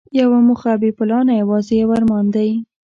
یوه موخه بې پلانه یوازې یو ارمان دی.